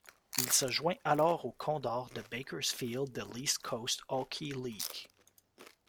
Il se joint alors aux Condors de Bakersfield de l'East Coast Hockey League.